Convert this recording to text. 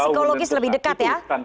psikologis lebih dekat ya